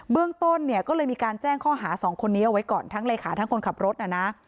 เรื่องต้นเนี่ยก็เลยมีการแจ้งข้อหาสองคนนี้เอาไว้ก่อนทั้งเลขาทั้งคนขับรถน่ะนะ